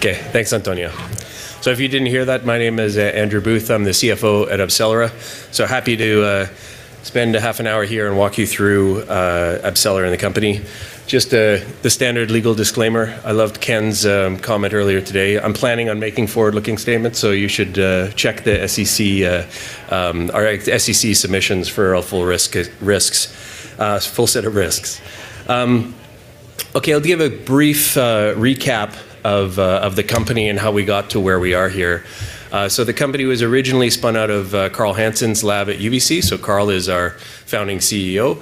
Okay, thanks Antonio. If you didn't hear that, my name is Andrew Booth. I'm the CFO at AbCellera. Happy to spend a half an hour here and walk you through AbCellera and the company. Just the standard legal disclaimer. I loved Ken's comment earlier today. I'm planning on making forward-looking statements, so you should check our SEC submissions for a full set of risks. Okay, I'll give a brief recap of the company and how we got to where we are here. The company was originally spun out of Carl Hansen's lab at UBC. Carl is our Founding CEO.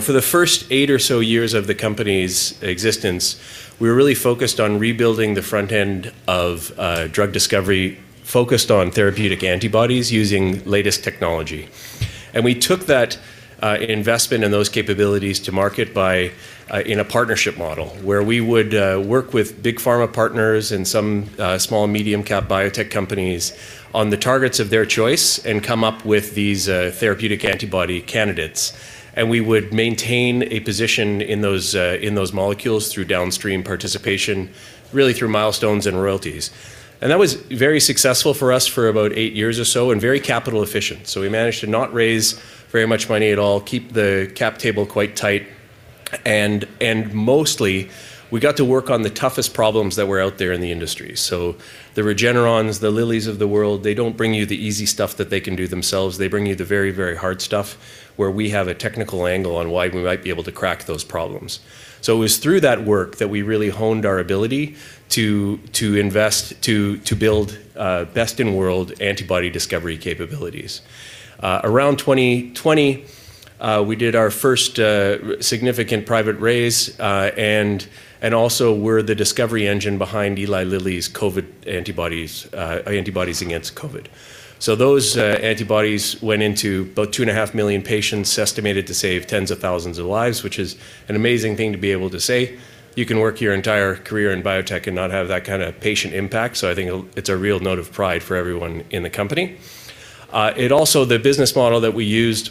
For the first eight or so years of the company's existence, we were really focused on rebuilding the front end of drug discovery, focused on therapeutic antibodies using latest technology. We took that investment and those capabilities to market in a partnership model where we would work with big pharma partners and some small and medium-cap biotech companies on the targets of their choice and come up with these therapeutic antibody candidates. We would maintain a position in those molecules through downstream participation, really through milestones and royalties. That was very successful for us for about eight years or so, and very capital efficient. We managed to not raise very much money at all, keep the cap table quite tight, and mostly, we got to work on the toughest problems that were out there in the industry. The Regenerons, the Lillys of the world, they don't bring you the easy stuff that they can do themselves. They bring you the very, very hard stuff where we have a technical angle on why we might be able to crack those problems. It was through that work that we really honed our ability to invest and to build best-in-world antibody discovery capabilities. Around 2020, we did our first significant private raise, and also we're the discovery engine behind Eli Lilly's antibodies against COVID. Those antibodies went into about 2.5 million patients, estimated to save tens of thousands of lives, which is an amazing thing to be able to say. You can work your entire career in biotech and not have that kind of patient impact, so I think it's a real note of pride for everyone in the company. The business model that we used,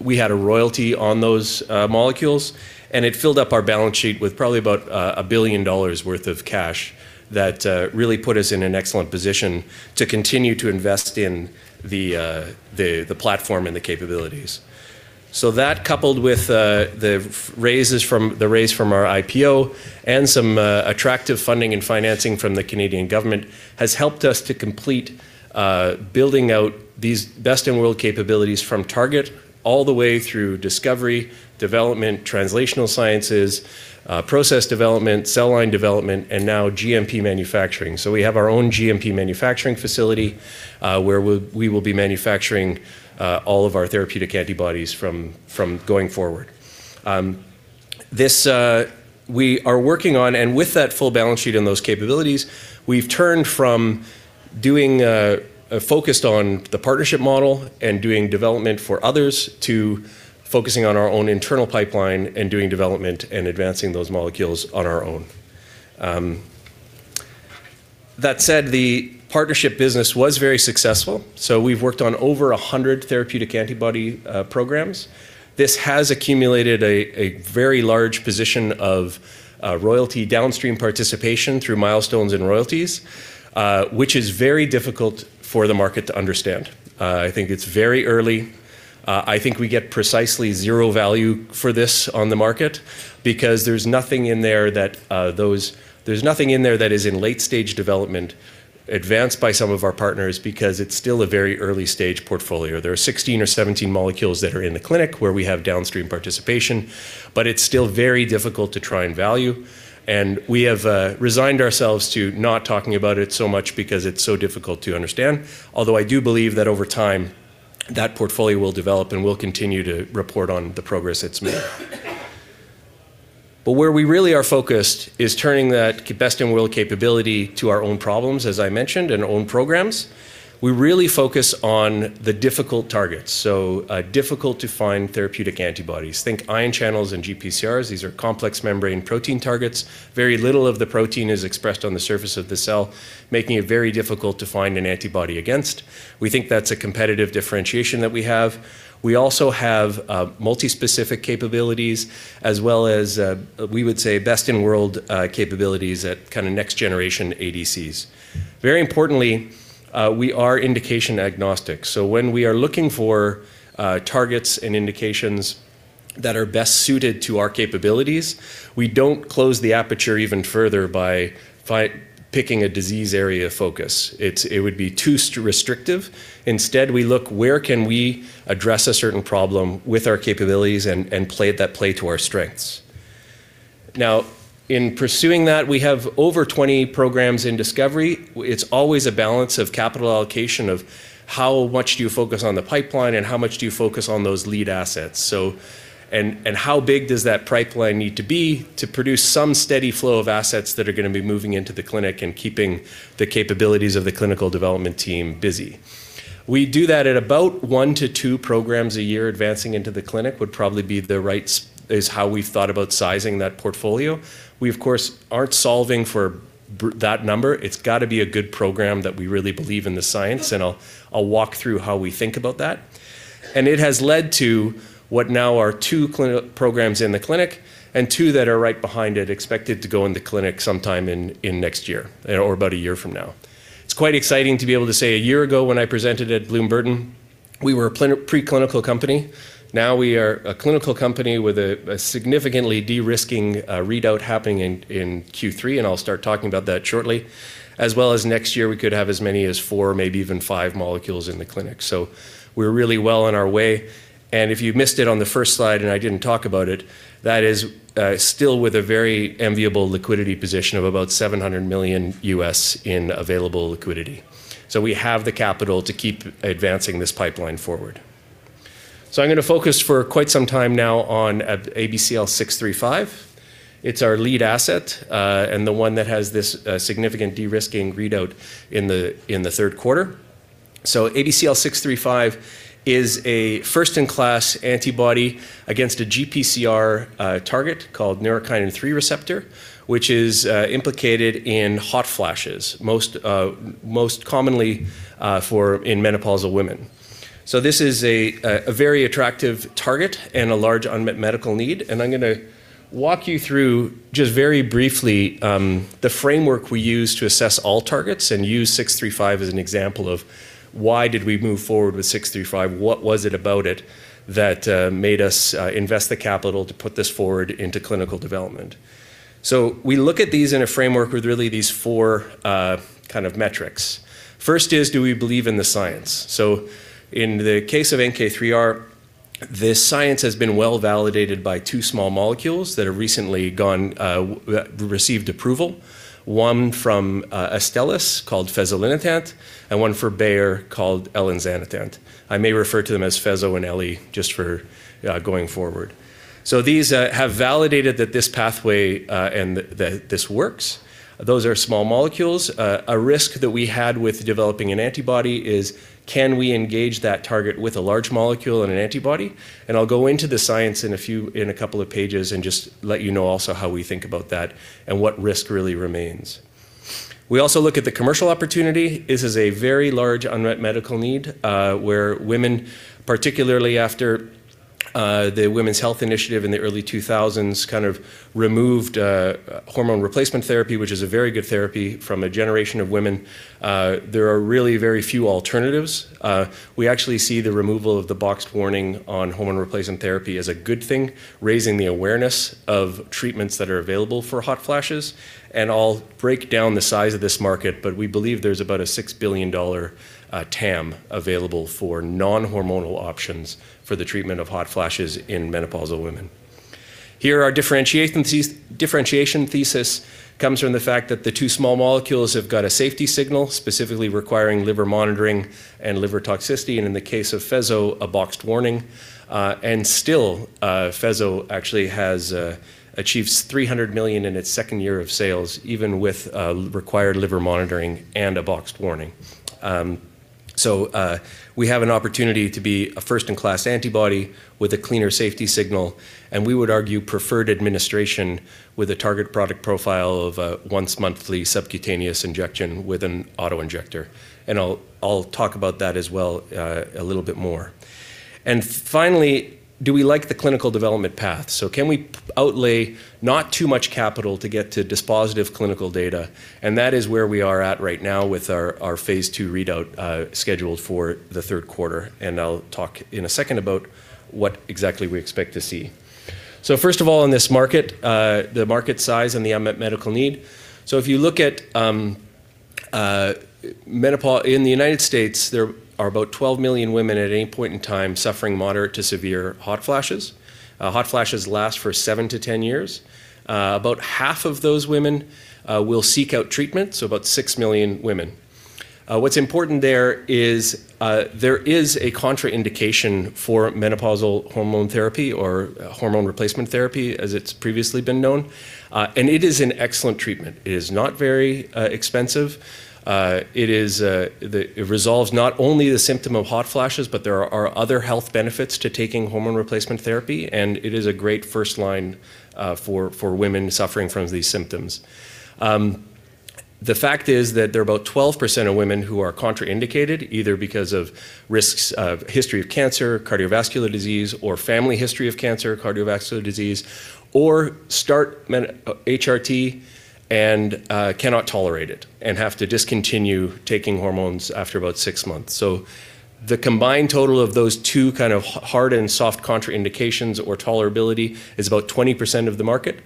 we had a royalty on those molecules, and it filled up our balance sheet with probably about $1 billion worth of cash that really put us in an excellent position to continue to invest in the platform and the capabilities. That, coupled with the raise from our IPO and some attractive funding and financing from the Canadian government, has helped us to complete building out these best-in-world capabilities from target all the way through discovery, development, translational sciences, process development, cell line development, and now GMP manufacturing. We have our own GMP manufacturing facility where we will be manufacturing all of our therapeutic antibodies from going forward. We are working on, and with that full balance sheet and those capabilities, we've turned from doing a focused on the partnership model and doing development for others, to focusing on our own internal pipeline and doing development and advancing those molecules on our own. That said, the partnership business was very successful. We've worked on over 100 therapeutic antibody programs. This has accumulated a very large position of royalty downstream participation through milestones and royalties, which is very difficult for the market to understand. I think it's very early. I think we get precisely zero value for this on the market because there's nothing in there that is in late-stage development advanced by some of our partners because it's still a very early-stage portfolio. There are 16 or 17 molecules that are in the clinic where we have downstream participation, but it's still very difficult to try and value. We have resigned ourselves to not talking about it so much because it's so difficult to understand. Although I do believe that over time, that portfolio will develop, and we'll continue to report on the progress it's made. Where we really are focused is turning that best-in-world capability to our own problems, as I mentioned, and own programs. We really focus on the difficult targets, so difficult to find therapeutic antibodies. Think ion channels and GPCRs. These are complex membrane protein targets. Very little of the protein is expressed on the surface of the cell, making it very difficult to find an antibody against. We think that's a competitive differentiation that we have. We also have multi-specific capabilities as well as, we would say, best-in-world capabilities at kind of next generation ADCs. Very importantly, we are indication agnostic. When we are looking for targets and indications that are best suited to our capabilities, we don't close the aperture even further by picking a disease area of focus. It would be too restrictive. Instead, we look where can we address a certain problem with our capabilities and play to our strengths. Now, in pursuing that, we have over 20 programs in discovery. It's always a balance of capital allocation of how much do you focus on the pipeline and how much do you focus on those lead assets. How big does that pipeline need to be to produce some steady flow of assets that are going to be moving into the clinic and keeping the capabilities of the clinical development team busy? We do that at about one-two programs a year advancing into the clinic, would probably be the right, is how we've thought about sizing that portfolio. We, of course, aren't solving for that number, it's got to be a good program that we really believe in the science, and I'll walk through how we think about that. It has led to what now are two clinical programs in the clinic, and two that are right behind it expected to go in the clinic sometime in next year or about a year from now. It's quite exciting to be able to say a year ago when I presented at Bloom Burton, we were a preclinical company. Now we are a clinical company with a significantly de-risking readout happening in Q3, and I'll start talking about that shortly. As well as next year, we could have as many as four, maybe even five molecules in the clinic. We're really well on our way, and if you missed it on the first slide, and I didn't talk about it, that is still with a very enviable liquidity position of about $700 million in available liquidity. We have the capital to keep advancing this pipeline forward. I'm going to focus for quite some time now on ABCL635. It's our lead asset, and the one that has this significant de-risking readout in the third quarter. ABCL635 is a first-in-class antibody against a GPCR target called neurokinin 3 receptor, which is implicated in hot flashes, most commonly in menopausal women. This is a very attractive target and a large unmet medical need. I'm going to walk you through, just very briefly, the framework we use to assess all targets and use ABCL635 as an example of why did we move forward with ABCL635, what was it about it that made us invest the capital to put this forward into clinical development. We look at these in a framework with really these four kind of metrics. First is, do we believe in the science? In the case of NK3R, the science has been well-validated by two small molecules that have recently received approval, one from Astellas called fezolinetant, and one for Bayer called elinzanetant. I may refer to them as fezo and eli just for going forward. These have validated that this pathway and that this works. Those are small molecules. A risk that we had with developing an antibody is can we engage that target with a large molecule and an antibody? I'll go into the science in a couple of pages and just let you know also how we think about that and what risk really remains. We also look at the commercial opportunity. This is a very large unmet medical need, where women, particularly after the Women's Health Initiative in the early 2000s, kind of removed hormone replacement therapy, which is a very good therapy from a generation of women. There are really very few alternatives. We actually see the removal of the boxed warning on hormone replacement therapy as a good thing, raising the awareness of treatments that are available for hot flashes. I'll break down the size of this market, but we believe there's about a $6 billion TAM available for non-hormonal options for the treatment of hot flashes in menopausal women. Here, our differentiation thesis comes from the fact that the two small molecules have got a safety signal, specifically requiring liver monitoring and liver toxicity, and in the case of fezo, a boxed warning. Still, fezo actually achieves $300 million in its second year of sales, even with required liver monitoring and a boxed warning. We have an opportunity to be a first-in-class antibody with a cleaner safety signal, and we would argue preferred administration with a target product profile of a once-monthly subcutaneous injection with an auto-injector. I'll talk about that as well a little bit more. Finally, do we like the clinical development path? Can we outlay not too much capital to get to dispositive clinical data? That is where we are at right now with our phase II readout scheduled for the third quarter, and I'll talk in a second about what exactly we expect to see. First of all, in this market, the market size and the unmet medical need. If you look at menopause in the United States, there are about 12 million women at any point in time suffering moderate to severe hot flashes. Hot flashes last for seven-10 years. About half of those women will seek out treatment, so about 6 million women. What's important there is, there is a contraindication for menopausal hormone therapy or hormone replacement therapy, as it's previously been known. It is an excellent treatment. It is not very expensive. It resolves not only the symptom of hot flashes, but there are other health benefits to taking hormone replacement therapy, and it is a great first line for women suffering from these symptoms. The fact is that there are about 12% of women who are contraindicated, either because of risks of history of cancer, cardiovascular disease, or family history of cancer, cardiovascular disease, or start HRT and cannot tolerate it and have to discontinue taking hormones after about six months. The combined total of those two kind of hard and soft contraindications or tolerability is about 20% of the market.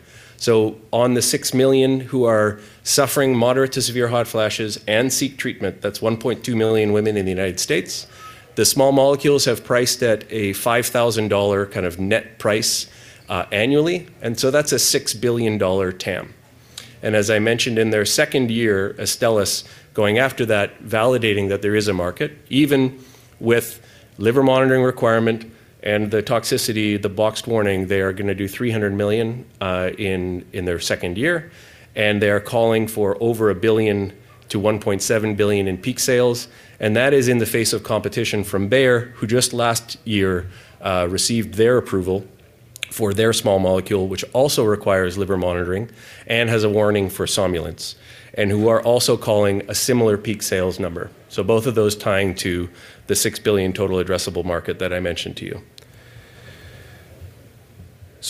On the 6 million who are suffering moderate to severe hot flashes and seek treatment, that's 1.2 million women in the United States. The small molecules have priced at a $5,000 kind of net price annually, and so that's a $6 billion TAM. As I mentioned, in their second year, Astellas, going after that, validating that there is a market, even with liver monitoring requirement and the toxicity, the boxed warning, they are going to do $300 million in their second year, and they are calling for over $1 billion-$1.7 billion in peak sales. That is in the face of competition from Bayer, who just last year received their approval for their small molecule, which also requires liver monitoring and has a warning for somnolence, and who are also calling a similar peak sales number. Both of those tying to the $6 billion total addressable market that I mentioned to you.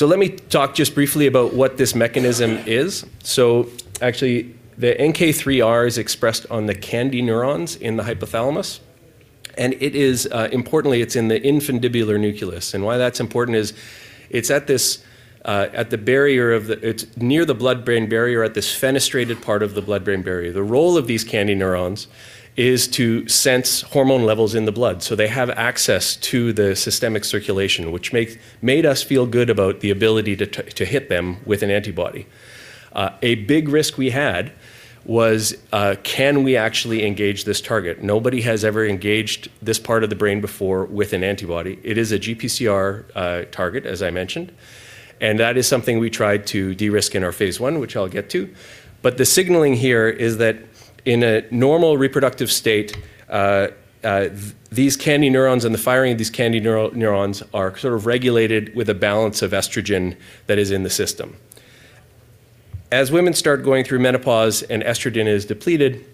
Let me talk just briefly about what this mechanism is. Actually the NK3R is expressed on the KNDy neurons in the hypothalamus, and importantly, it's in the infundibular nucleus. Why that's important is it's near the blood-brain barrier at this fenestrated part of the blood-brain barrier. The role of these KNDy neurons is to sense hormone levels in the blood. They have access to the systemic circulation, which made us feel good about the ability to hit them with an antibody. A big risk we had was, can we actually engage this target? Nobody has ever engaged this part of the brain before with an antibody. It is a GPCR target, as I mentioned, and that is something we tried to de-risk in our phase I, which I'll get to. The signaling here is that in a normal reproductive state, these KNDy neurons and the firing of these KNDy neurons are sort of regulated with a balance of estrogen that is in the system. As women start going through menopause and estrogen is depleted,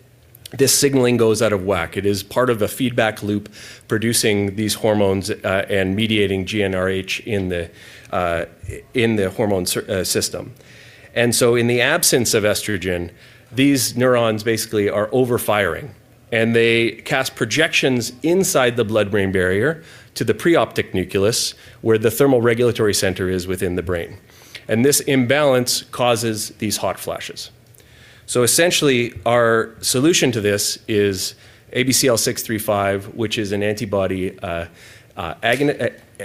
this signaling goes out of whack. It is part of a feedback loop producing these hormones, and mediating GnRH in the hormone system in the absence of estrogen, these neurons basically are over-firing, and they cast projections inside the blood-brain barrier to the preoptic nucleus, where the thermal regulatory center is within the brain, this imbalance causes these hot flashes. Essentially, our solution to this is ABCL635, which is an antibody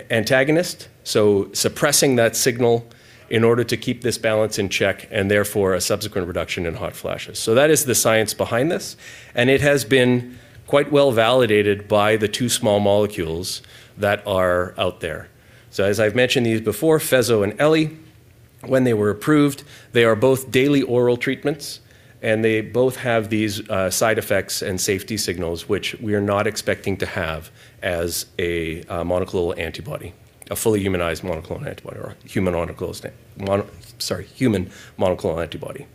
antagonist, so suppressing that signal in order to keep this balance in check, and therefore a subsequent reduction in hot flashes. That is the science behind this, and it has been quite well-validated by the two small molecules that are out there. As I've mentioned these before, fezo and eli, when they were approved, they are both daily oral treatments, and they both have these side effects and safety signals, which we are not expecting to have as a monoclonal antibody, a fully humanized monoclonal antibody or human monoclonal antibody.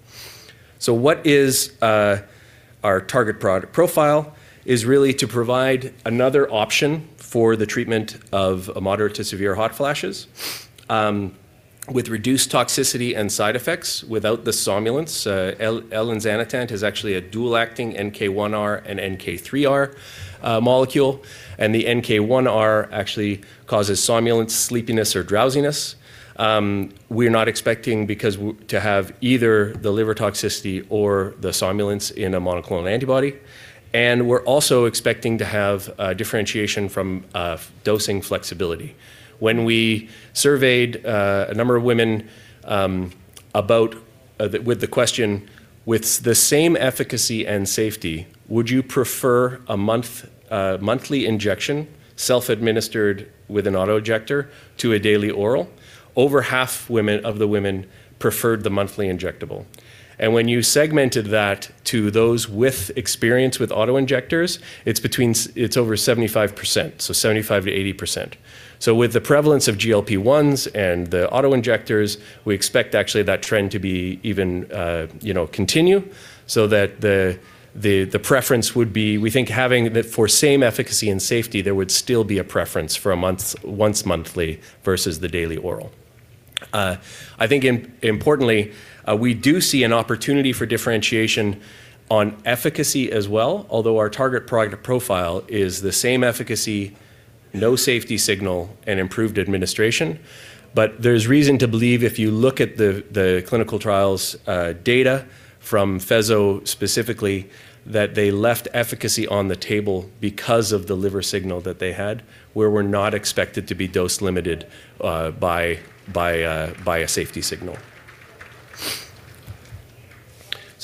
What is our target product profile is really to provide another option for the treatment of moderate to severe hot flashes, with reduced toxicity and side effects without the somnolence. Elinzanetant is actually a dual-acting NK1R and NK3R molecule, and the NK1R actually causes somnolence, sleepiness, or drowsiness. We're not expecting to have either the liver toxicity or the somnolence in a monoclonal antibody, and we're also expecting to have differentiation from dosing flexibility. When we surveyed a number of women with the question, "With the same efficacy and safety, would you prefer a monthly injection, self-administered with an autoinjector to a daily oral?" Over half of the women preferred the monthly injectable. When you segmented that to those with experience with autoinjectors, it's over 75%, so 75%-80%. With the prevalence of GLP-1s and the autoinjectors, we expect actually that trend to continue, so that the preference would be, we think having for same efficacy and safety, there would still be a preference for a once monthly versus the daily oral. I think importantly, we do see an opportunity for differentiation on efficacy as well. Although our target product profile is the same efficacy, no safety signal, and improved administration. There's reason to believe, if you look at the clinical trials data from fezo specifically, that they left efficacy on the table because of the liver signal that they had, where we're not expected to be dose limited by a safety signal.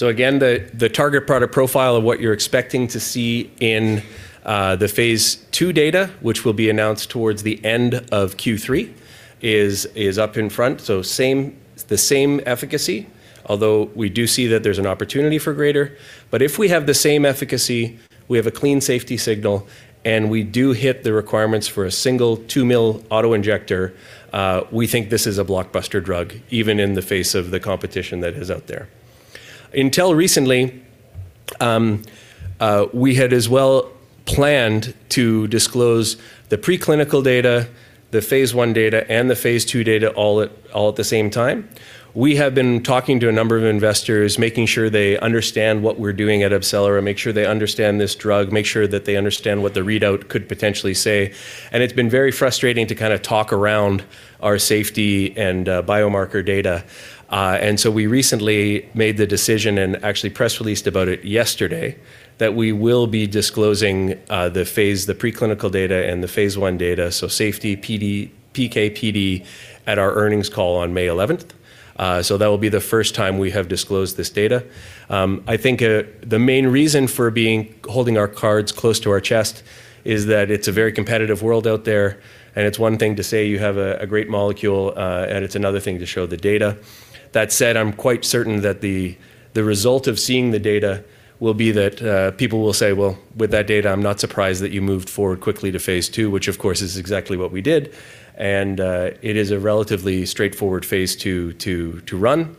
Again, the target product profile of what you're expecting to see in the phase II data, which will be announced towards the end of Q3, is up in front. The same efficacy, although we do see that there's an opportunity for greater, but if we have the same efficacy, we have a clean safety signal, and we do hit the requirements for a single 2-mL autoinjector, we think this is a blockbuster drug, even in the face of the competition that is out there. Until recently, we had as well planned to disclose the preclinical data, the phase I data, and the phase II data all at the same time. We have been talking to a number of investors, making sure they understand what we're doing at AbCellera, make sure they understand this drug, make sure that they understand what the readout could potentially say, and it's been very frustrating to talk around our safety and biomarker data. We recently made the decision, and actually press released about it yesterday, that we will be disclosing the preclinical data and the phase I data, so safety, PK/PD at our earnings call on May 11th. That will be the first time we have disclosed this data. I think the main reason for holding our cards close to our chest is that it's a very competitive world out there, and it's one thing to say you have a great molecule, and it's another thing to show the data. That said, I'm quite certain that the result of seeing the data will be that people will say, "Well, with that data, I'm not surprised that you moved forward quickly to phase II," which of course is exactly what we did, and it is a relatively straightforward phase II to run.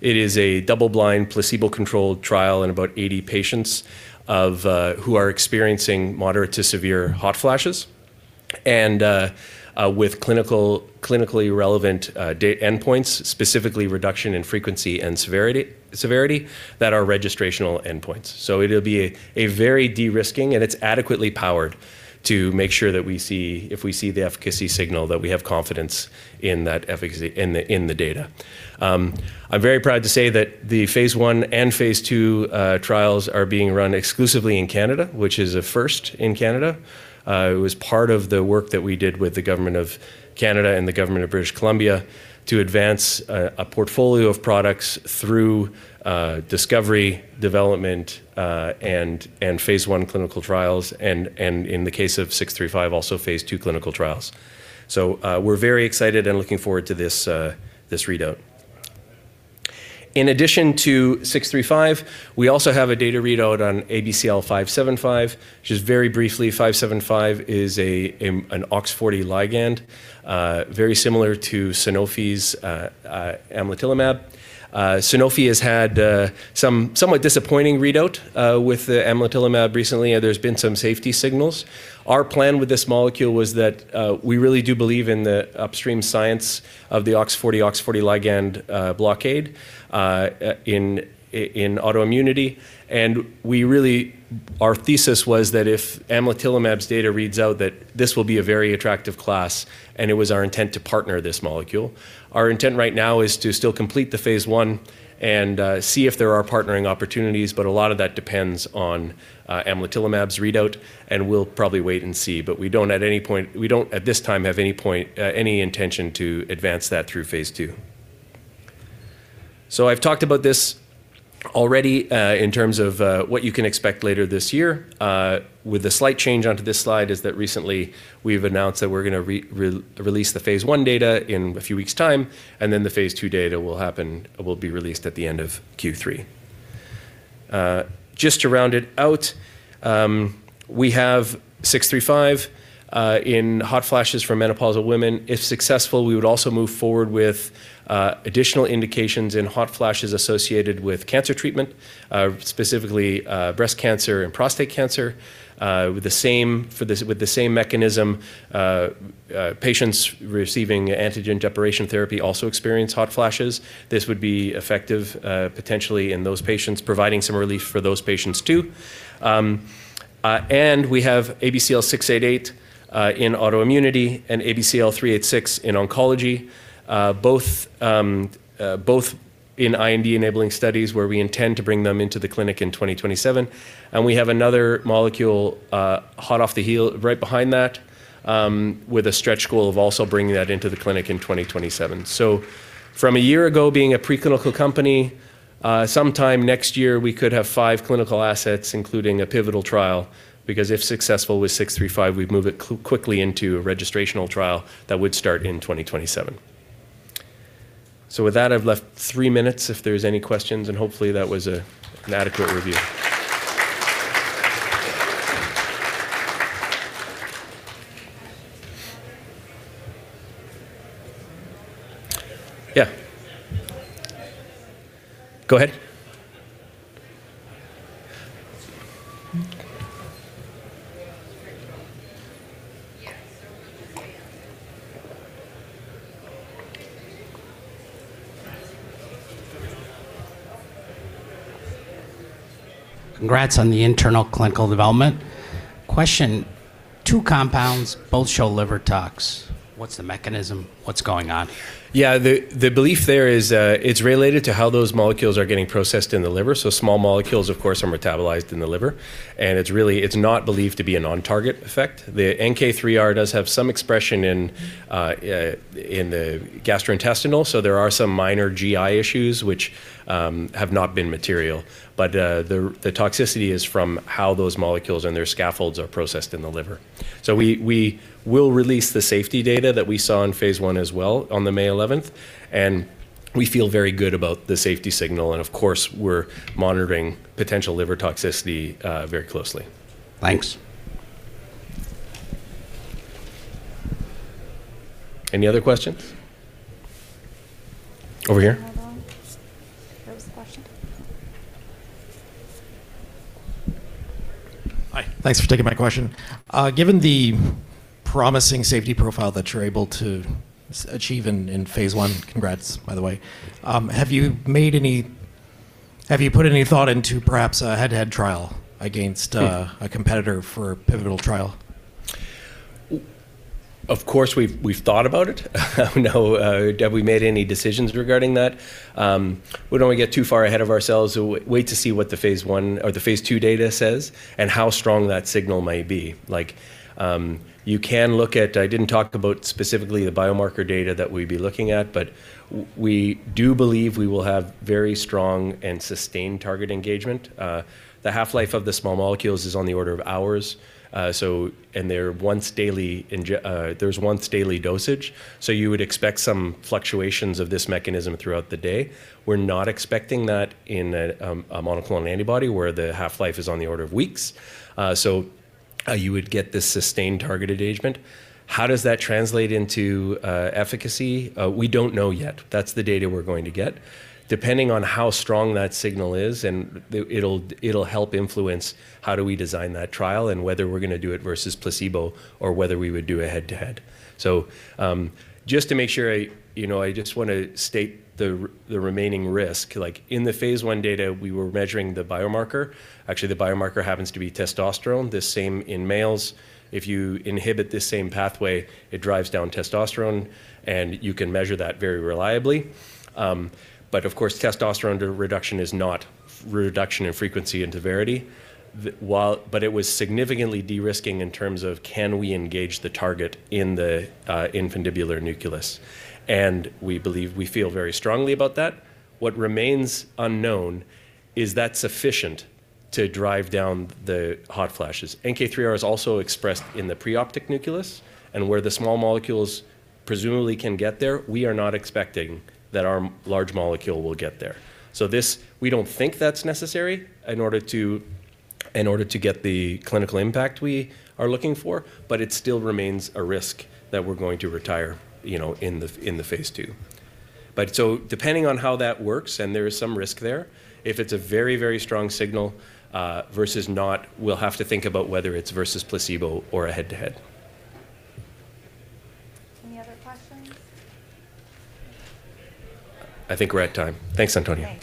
It is a double-blind, placebo-controlled trial in about 80 patients who are experiencing moderate to severe hot flashes. And with clinically relevant data endpoints, specifically reduction in frequency and severity, that are registrational endpoints. It'll be a very de-risking, and it's adequately powered to make sure that if we see the efficacy signal, that we have confidence in that efficacy in the data. I'm very proud to say that the phase I and phase II trials are being run exclusively in Canada, which is a first in Canada. It was part of the work that we did with the government of Canada and the government of British Columbia to advance a portfolio of products through discovery, development, and phase I clinical trials, and in the case of ABCL635, also phase II clinical trials. We're very excited and looking forward to this readout. In addition to ABCL635, we also have a data readout on ABCL575, which is very briefly, ABCL575 is an OX40 ligand, very similar to Sanofi's amlitelimab. Sanofi has had a somewhat disappointing readout with the amlitelimab recently. There's been some safety signals. Our plan with this molecule was that we really do believe in the upstream science of the OX40 ligand blockade in autoimmunity. Our thesis was that if amlitelimab's data reads out, that this will be a very attractive class, and it was our intent to partner this molecule. Our intent right now is to still complete the phase I and see if there are partnering opportunities, but a lot of that depends on amlitelimab's readout, and we'll probably wait and see. We don't at this time have any intention to advance that through phase II. I've talked about this already, in terms of what you can expect later this year. With a slight change onto this slide is that recently we've announced that we're going to release the phase I data in a few weeks' time, and then the phase II data will be released at the end of Q3. Just to round it out, we have ABCL635 in hot flashes for menopausal women. If successful, we would also move forward with additional indications in hot flashes associated with cancer treatment, specifically breast cancer and prostate cancer, with the same mechanism. Patients receiving androgen deprivation therapy also experience hot flashes. This would be effective, potentially, in those patients, providing some relief for those patients, too. We have ABCL688 in autoimmunity and ABCL386 in oncology, both in IND-enabling studies where we intend to bring them into the clinic in 2027. We have another molecule hot off the heel right behind that, with a stretch goal of also bringing that into the clinic in 2027. From a year ago being a preclinical company, sometime next year, we could have five clinical assets, including a pivotal trial, because if successful with ABCL635, we'd move it quickly into a registrational trial that would start in 2027. With that, I've left three minutes if there's any questions, and hopefully that was an adequate review. Yeah. Go ahead. Congrats on the internal clinical development. Question, two compounds both show liver tox. What's the mechanism? What's going on? Yeah, the belief there is it's related to how those molecules are getting processed in the liver. Small molecules, of course, are metabolized in the liver, and it's not believed to be an on-target effect. The NK3R does have some expression in the gastrointestinal, so there are some minor GI issues which have not been material. The toxicity is from how those molecules and their scaffolds are processed in the liver. We will release the safety data that we saw in phase I as well on the May 11th, and we feel very good about the safety signal, and of course, we're monitoring potential liver toxicity very closely. Thanks. Any other questions? Over here. There was a question. Hi. Thanks for taking my question. Given the promising safety profile that you're able to achieve in phase I, congrats by the way, have you put any thought into perhaps a head-to-head trial against a competitor for pivotal trial? Of course, we've thought about it. No, have we made any decisions regarding that? We don't want to get too far ahead of ourselves. We'll wait to see what the phase I or the phase II data says and how strong that signal may be. I didn't talk about specifically the biomarker data that we'd be looking at, but we do believe we will have very strong and sustained target engagement. The half-life of the small molecules is on the order of hours, and there's once daily dosage. You would expect some fluctuations of this mechanism throughout the day. We're not expecting that in a monoclonal antibody where the half-life is on the order of weeks. You would get this sustained targeted engagement. How does that translate into efficacy? We don't know yet. That's the data we're going to get. Depending on how strong that signal is, and it'll help influence how do we design that trial and whether we're going to do it versus placebo or whether we would do a head-to-head. Just to make sure, I just want to state the remaining risk. Like in the phase I data, we were measuring the biomarker. Actually, the biomarker happens to be testosterone, the same in males. If you inhibit this same pathway, it drives down testosterone, and you can measure that very reliably. Of course, testosterone reduction is not reduction in frequency and severity. It was significantly de-risking in terms of can we engage the target in the infundibular nucleus? We feel very strongly about that. What remains unknown is that sufficient to drive down the hot flashes. NK3R is also expressed in the preoptic nucleus, and where the small molecules presumably can get there, we are not expecting that our large molecule will get there. This, we don't think that's necessary in order to get the clinical impact we are looking for, but it still remains a risk that we're going to retire in the phase II. Depending on how that works, and there is some risk there, if it's a very, very strong signal, versus not, we'll have to think about whether it's versus placebo or a head-to-head. Any other questions? I think we're at time. Thanks, Antonia.